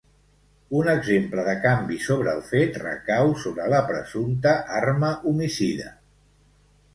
Un exemple de canvi sobre el fet recau sobre la presumpta arma homicida.